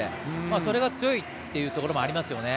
それが強いというところもありますよね。